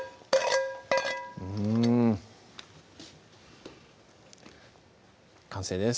うん完成です